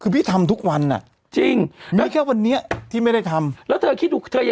มีข้อมูลเชิญลึกถูกต้องปะละ